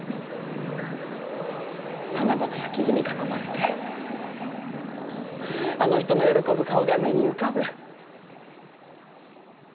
花々や木々に囲まれてあぁあの人の喜ぶ顔が目に浮かぶ。